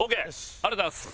ありがとうございます。